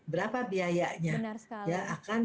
berapa biayanya ya akan